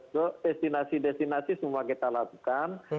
ke destinasi destinasi semua kita lakukan